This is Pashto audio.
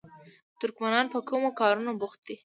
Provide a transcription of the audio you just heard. ترکمنان په کومو کارونو بوخت دي؟